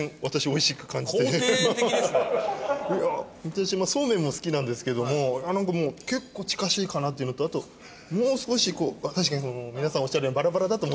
私そうめんも好きなんですけどもなんかもう結構近しいかなというのとあともう少しこう確かに皆さんおっしゃるようにバラバラだと。